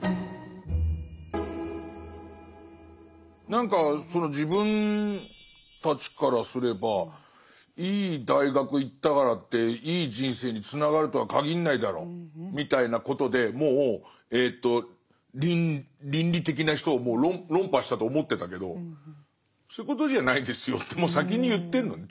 何かその自分たちからすればいい大学行ったからっていい人生につながるとは限んないだろみたいなことでもう倫理的な人を論破したと思ってたけどそういうことじゃないですよってもう先に言ってんのね。